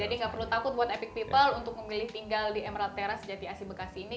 jadi tidak perlu takut buat epic people untuk memilih tinggal di emerald terrace jati asi bekasi ini